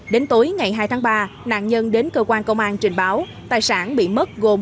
đến tối ngày hai tháng ba nạn nhân đến cơ quan công an trình báo tài sản bị mất gồm